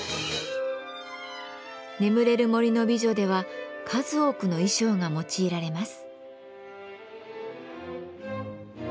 「眠れる森の美女」では数多くの衣装が用いられます。